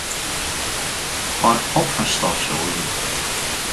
Hâld op fan stofsûgjen.